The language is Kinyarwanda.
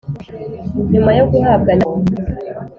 nyuma yo guhabwa, nyirarwo